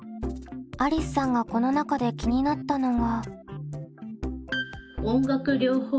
ありすさんがこの中で気になったのが。